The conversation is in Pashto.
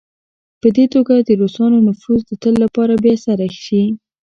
په دې توګه د روسانو نفوذ د تل لپاره بې اثره شي.